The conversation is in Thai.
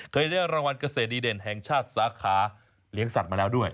ได้รางวัลเกษตรดีเด่นแห่งชาติสาขาเลี้ยงสัตว์มาแล้วด้วย